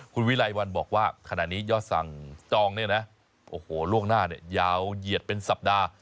คุณวิไลวันบอกว่าขณะนี้ยอดสั่งจองเนี่ยนะโอ้โหล่วงหน้าเนี่ยยาวเหยียดเป็นสัปดาห์